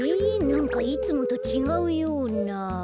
なんかいつもとちがうような。